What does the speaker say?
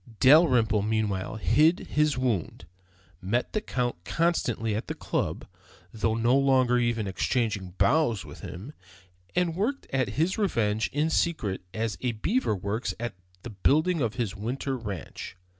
Dalrymple meanwhile hid his wound, met the Count constantly at the Club, though no longer even exchanging bows with him, and worked at his revenge in secret as a beaver works at the building of his winter ranch.